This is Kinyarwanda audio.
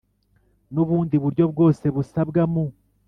n ubundi buryo bwose busabwa mu